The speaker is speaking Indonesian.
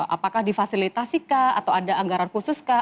apakah difasilitasikah atau ada anggaran khususkah